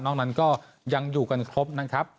นั้นก็ยังอยู่กันครบนะครับ